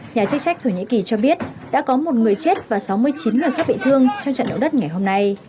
nhà chức trách thổ nhĩ kỳ cho biết đã có một người chết và sáu mươi chín người khác bị thương trong trận động đất ngày hôm nay